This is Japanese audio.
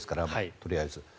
とりあえず。